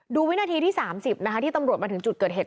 วินาทีที่๓๐นะคะที่ตำรวจมาถึงจุดเกิดเหตุ